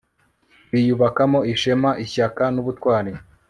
biyubakamo ishema, ishyaka n'ubutwari